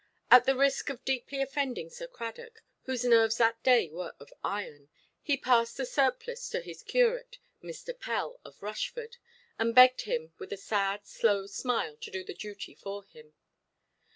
At the risk of deeply offending Sir Cradock, whose nerves that day were of iron, he passed the surplice to his curate, Mr. Pell, of Rushford; and begged him, with a sad slow smile, to do the duty for him.